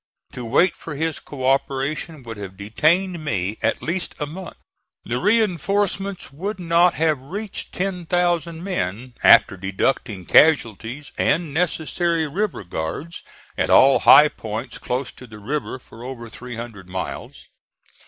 To wait for his co operation would have detained me at least a month. The reinforcements would not have reached ten thousand men after deducting casualties and necessary river guards at all high points close to the river for over three hundred miles.